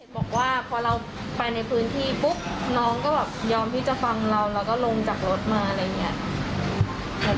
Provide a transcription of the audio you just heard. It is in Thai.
บอกว่าพอเราไปในพื้นที่ปุ๊บน้องก็แบบยอมที่จะฟังเราแล้วก็ลงจากรถมาอะไรอย่างนี้